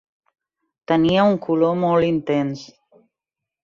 Tenia un color molt intens.